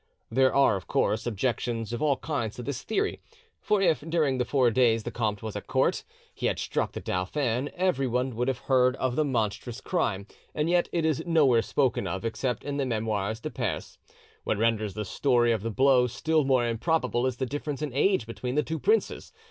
There are, of course, objections of all kinds to this theory. For if, during the four days the comte was at court, he had struck the dauphin, everyone would have heard of the monstrous crime, and yet it is nowhere spoken of, except in the 'Memoires de Perse'. What renders the story of the blow still more improbable is the difference in age between the two princes.